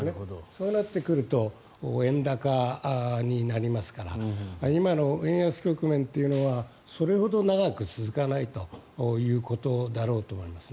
そうなってくると円高になりますから今の円安局面というのはそれほど長く続かないということだろうと思います。